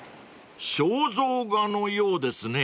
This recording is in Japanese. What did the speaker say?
［肖像画のようですね］